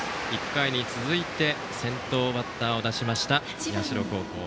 １回に続いて先頭バッターを出しました社高校。